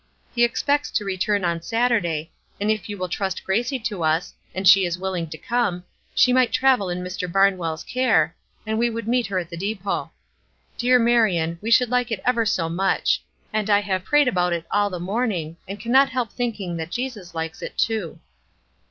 He expects to return on Saturday, and if you will trust Gracie to us, and she is willing to come, she might travel in Mr. Barnwell's care, and we would meet her at the depot. Dear Marion, we should like it ever so much: and I have prayed about it all the morning, and cannot help thinking that Jesus likes it too."